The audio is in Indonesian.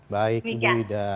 baik bu ida